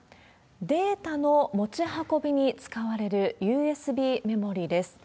データの持ち運びに使われるＵＳＢメモリです。